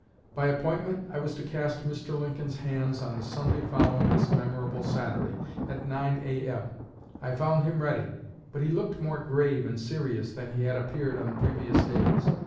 By appointment, I was to cast Mr. Lincoln's hands on the Sunday following this memorable Saturday, at nine A.M. I found him ready, but he looked more grave and serious than he had appeared on the previous days.